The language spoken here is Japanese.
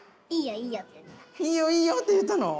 「いいよいいよ」って言ったの？